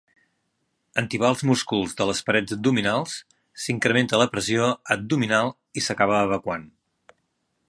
En tibar els músculs de les parets abdominals, s'incrementa la pressió abdominal i s'acaba evacuant.